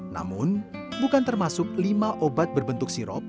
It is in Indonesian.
namun bukan termasuk lima obat berbentuk sirop